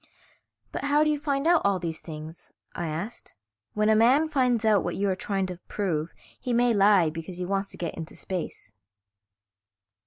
"But how do you find out all these things?" I asked. "When a man finds out what you are trying to prove he may lie because he wants to get into space."